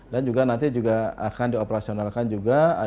dan nanti juga akan dioperasionalkan juga